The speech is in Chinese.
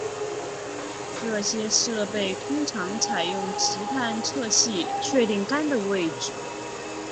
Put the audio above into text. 这些设备通常采用磁探测器确定杆的位置。